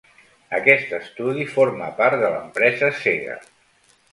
Aquest estudi forma part de l'empresa Sega.